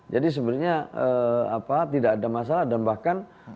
jadi sebenarnya apa tidak ada masalah dan bahkan